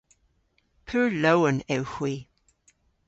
Pur lowen ewgh hwi.